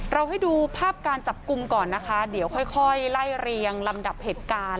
ให้ดูภาพการจับกลุ่มก่อนนะคะเดี๋ยวค่อยไล่เรียงลำดับเหตุการณ์